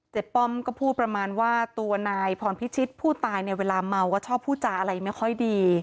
ป้อมก็พูดประมาณว่าตัวนายพรพิชิตผู้ตายเนี่ยเวลาเมาก็ชอบพูดจาอะไรไม่ค่อยดี